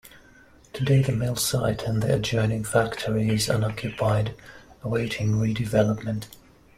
Today the mill site and the adjoining factory is unoccupied, awaiting re-development.